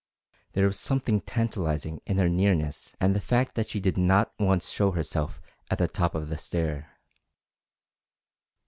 There was something tantalizing in her nearness and the fact that she did not once show herself at the top of the stair.